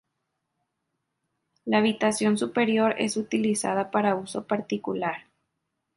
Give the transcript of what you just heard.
La habitación superior es utilizada para uso particular.